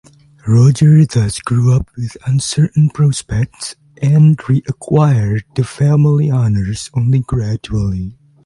Roger thus grew up with uncertain prospects, and re-acquired the family honours only gradually.